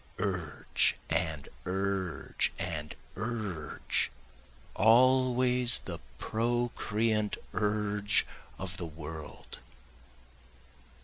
Urge and urge and urge, Always the procreant urge of the world.